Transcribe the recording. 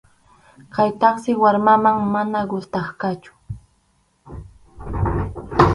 Kaytaqsi warmaman mana gustasqachu.